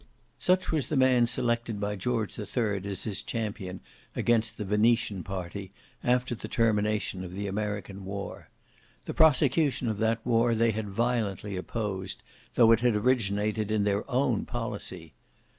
Such was the man selected by George the Third as his champion against the Venetian party after the termination of the American war. The prosecution of that war they had violently opposed, though it had originated in their own policy.